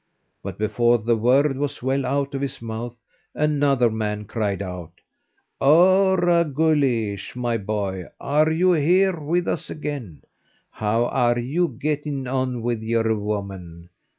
But before the word was well out of his mouth, another man cried out: "Ora! Guleesh, my boy, are you here with us again? How are you getting on with your woman?